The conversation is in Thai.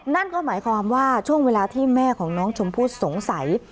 นั่นก็หมายความว่าช่วงเวลาที่แม่ของน้องชมพู่สงสัย